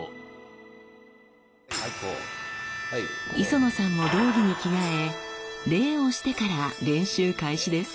磯野さんも道着に着替え礼をしてから練習開始です。